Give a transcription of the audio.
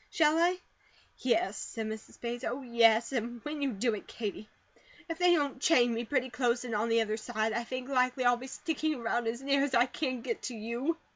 Shall I?" "Yes," said Mrs. Bates. "Oh, yes, and when you do it, Katie, if they don't chain me pretty close in on the other side, I think likely I'll be sticking around as near as I can get to you."